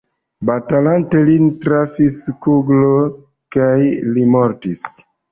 Batalante lin trafis kuglo kaj li mortis.